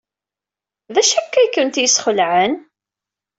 D acu akka ay ken-yesxelɛen?